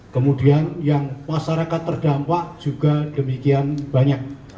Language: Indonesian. kemudian yang masyarakat terdampak juga demikian banyak